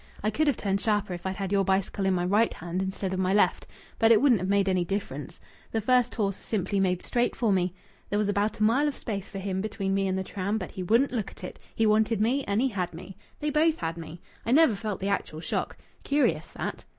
I could have turned sharper if I'd had your bicycle in my right hand instead of my left. But it wouldn't have made any difference. The first horse simply made straight for me. There was about a mile of space for him between me and the tram, but he wouldn't look at it. He wanted me, and he had me. They both had me. I never felt the actual shock. Curious, that!